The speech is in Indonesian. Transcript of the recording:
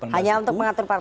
hanya untuk mengatur partai